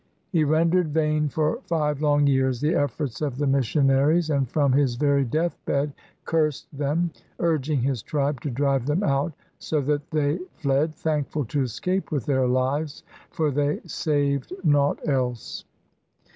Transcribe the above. He rendered vain for five long years the efforts of the missionaries, and from his very deathbed cursed them, urging his tribe to drive them out; so that they fled, thankful to escape with their lives — for they saved nought else.